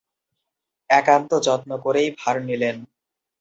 একান্ত যত্ন করেই ভার নিলেন।